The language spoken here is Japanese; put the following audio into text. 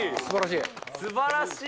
すばらしい。